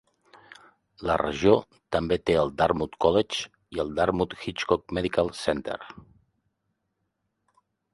La regió també té el Dartmouth College i el Dartmouth-Hitchcock Medical Center.